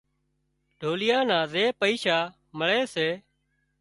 ڍوليئا نا زي پئيشا مۯي سي